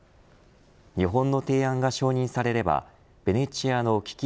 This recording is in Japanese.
日本の提案が承認されればベネチアの危機